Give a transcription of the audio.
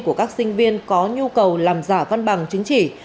của các sinh viên có nhu cầu làm giả văn bằng chứng chỉ